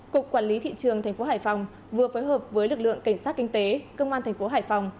cục quản lý thị trường tp hải phòng vừa phối hợp với lực lượng cảnh sát kinh tế công an thành phố hải phòng